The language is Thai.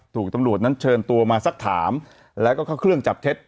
ถูกตำรวจนั้นเชิญตัวมาสักถามแล้วก็เข้าเครื่องจับเท็จ